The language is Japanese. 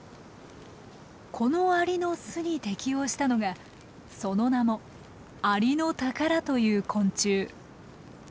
このアリの巣に適応したのがその名もアリノタカラという昆虫。